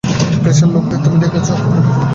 প্রেসের লোকদের তুমি ডেকেছো, জিমি?